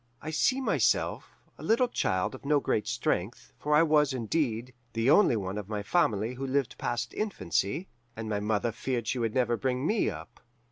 "I see myself, a little child of no great strength, for I was, indeed, the only one of my family who lived past infancy, and my mother feared she should never bring me up.